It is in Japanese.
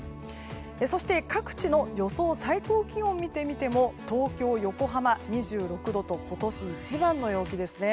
そして、各地の予想最高気温を見てみても東京、横浜、２６度と今年一番の陽気ですね。